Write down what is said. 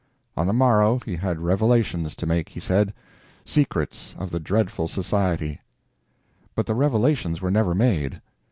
On the morrow he had revelations to make, he said—secrets of the dreadful society. But the revelations were never made.